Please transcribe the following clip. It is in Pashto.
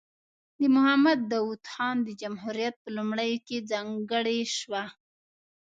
د محمد داود خان د جمهوریت په لومړیو کې ځانګړې شوه.